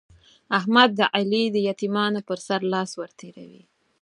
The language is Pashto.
احمد د علي د يتيمانو پر سر لاس ور تېروي.